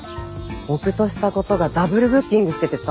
ボクとしたことがダブルブッキングしててさ。